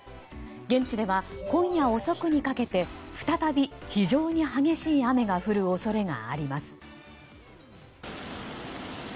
現地では今夜遅くにかけて再び非常に激しい雨が降る恐れがあります。